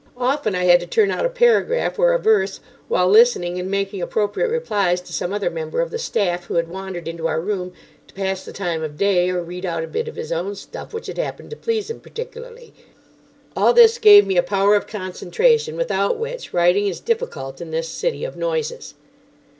Often I had to turn out a paragraph or a verse while listening and making appropriate replies to some other member of the staff, who had wandered into our room to pass the time of day or read out a bit of his own stuff which had happened to please him particularly. All this gave me a power of concentration, without which writing is difficult in this city of noises.